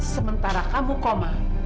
sementara kamu koma